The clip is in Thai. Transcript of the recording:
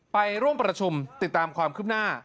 ไปร่วมประชุมติดตามความคืบหน้า